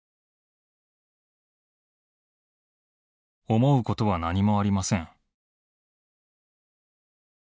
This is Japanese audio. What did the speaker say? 「思うことは何もありません」。